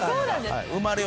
生まれは。